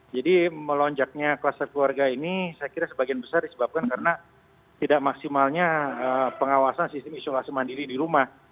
jadi melonjaknya kluster keluarga ini saya kira sebagian besar disebabkan karena tidak maksimalnya pengawasan sistem isolasi mandiri di rumah